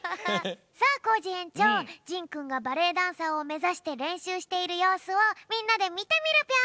さあコージえんちょうじんくんがバレエダンサーをめざしてれんしゅうしているようすをみんなでみてみるぴょん！